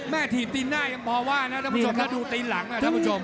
ถีบตีนหน้ายังพอว่านะท่านผู้ชมถ้าดูตีนหลังท่านผู้ชม